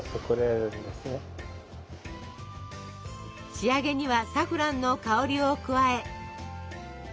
仕上げにはサフランの香りを加え。